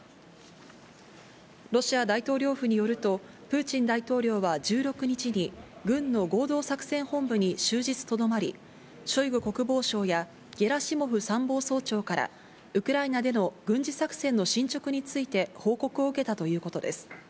ロシア大統領府によると、プーチン大統領は１６日に軍の合同作戦本部に終日とどまり、ショイグ国防相やゲラシモフ参謀総長から、ウクライナでの軍事作戦の進捗について、報告を受けたということです。